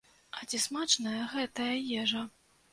А ці смачная гэтая ежа?